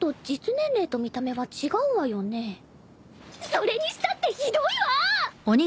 それにしたってひどいわ！